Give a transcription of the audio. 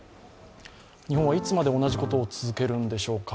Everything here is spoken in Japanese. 日本はいつまで同じことを続けるんでしょうか。